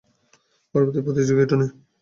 পরবর্তী প্রতিযোগিঃ টনি।